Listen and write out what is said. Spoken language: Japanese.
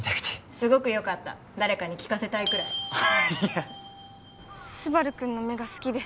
すごくよかった誰かに聞かせたいくらいいやスバル君の目が好きです